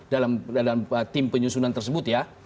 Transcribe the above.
dalam tim penyusunan tersebut ya